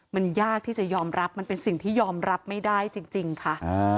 มันยากที่จะยอมรับมันเป็นสิ่งที่ยอมรับไม่ได้จริงค่ะ